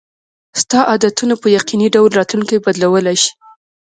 ستا عادتونه په یقیني ډول راتلونکی بدلولی شي.